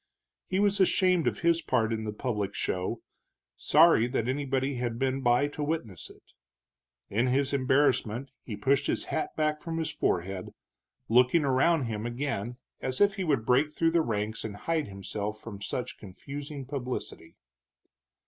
He was ashamed of his part in the public show, sorry that anybody had been by to witness it. In his embarrassment he pushed his hat back from his forehead, looking around him again as if he would break through the ranks and hide himself from such confusing publicity.